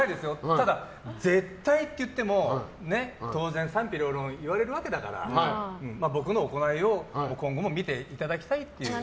ただ、絶対って言っても当然賛否両論言われるわけだから僕の行いを今後も見ていただきたいっていう。